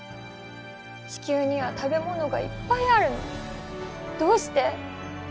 地球には食べ物がいっぱいあるのにどうして？